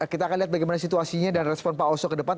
kita akan lihat bagaimana situasinya dan respon pak oso ke depan